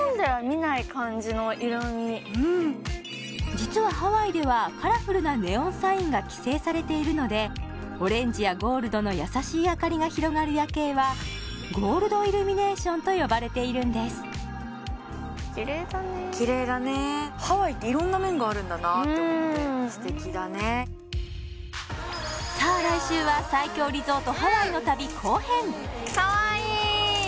実はハワイではカラフルなネオンサインが規制されているのでオレンジやゴールドの優しい明かりが広がる夜景はゴールドイルミネーションと呼ばれているんですきれいだねきれいだねハワイって色んな面があるんだなって思って素敵だねさあかわいい！